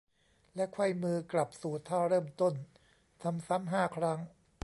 และไขว้มือกลับสู่ท่าเริ่มต้น ทำซ้ำ ห้า ครั้ง